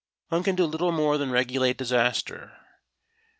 One can do little more than regulate disaster.